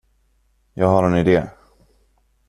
Jag har en idé.